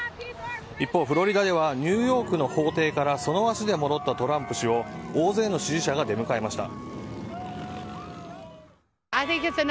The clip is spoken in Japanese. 一方、フロリダではニューヨークの法廷からその足で戻ったトランプ氏を大勢の支持者らが出迎えました。